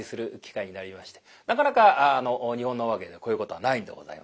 なかなか「日本の話芸」でこういうことはないんでございます。